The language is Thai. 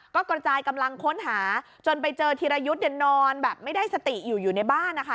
ก็กระจายกำลังค้นหาจนไปเจอธีรยุทธ์เนี่ยนอนแบบไม่ได้สติอยู่อยู่ในบ้านนะคะ